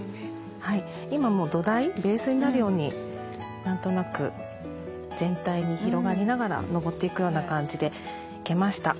今もう土台ベースになるように何となく全体に広がりながら昇っていくような感じで生けました。